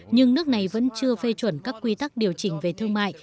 nhưng nước này vẫn chưa phê chuẩn các quy tắc điều chỉnh về thương mại